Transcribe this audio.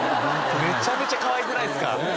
めちゃめちゃかわいくないですか。